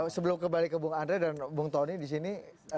sebelum kembali ke bung andre dan bung tony di sini